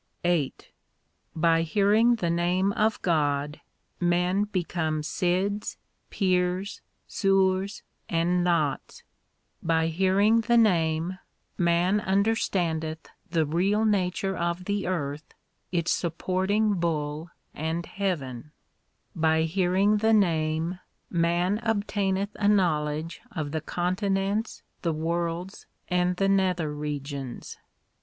VIII By hearing the name of God men become Sidhs, Pirs, Surs, 1 and Naths ; By hearing the Name man under standeth the real nature of the earth, its supporting bull, 2 and Heaven ; By hearing the Name man obtaineth a knowledge of the continents, the worlds, and the nether regions.